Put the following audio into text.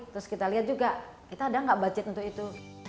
terus kita lihat juga kita ada nggak budget untuk itu